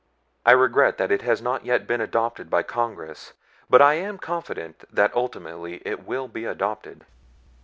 I regret that it has not yet been adopted by Congress, but I am confident that ultimately it will be adopted."